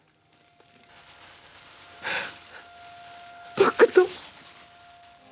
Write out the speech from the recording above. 僕と。